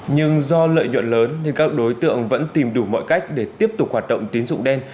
nhưng do lợi nhuận lớn nên các đối tượng vẫn tìm đủ mọi cách để tiếp tục hoạt động tín dụng đen